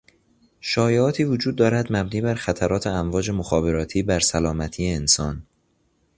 شایعاتی وجود دارد مبنی بر خطرات امواج مخابراتی بر سلامتی انسان